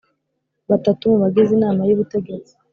Batatu mu bagize inama y ubutegetsi